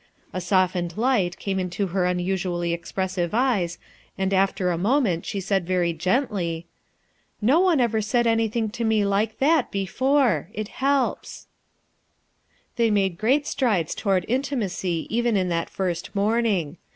A softened light came into her unusually expressive eyes and after a moment she said very gently: — 276 RUTH EKSKINE'S SON "No one ever said anything to me like that before* It helps, 1 ' They made great strides toward intimacy even in that first morning.